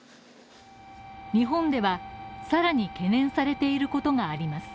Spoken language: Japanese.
日本ではさらに懸念されていることがあります